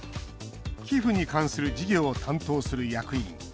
寄付に関する事業を担当する役員。